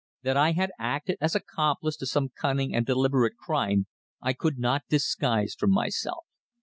That I had acted as accomplice to some cunning and deliberate crime I could not disguise from myself.